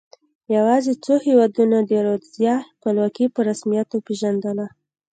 یوازې څو هېوادونو د رودزیا خپلواکي په رسمیت وپېژندله.